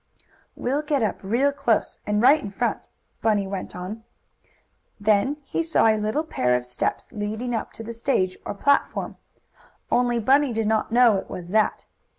"We'll get up real close, and right in front," Bunny went on. Then he saw a little pair of steps leading up to the stage, or platform; only Bunny did not know it was that.